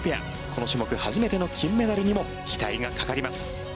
この種目初めての金メダルにも期待がかかります。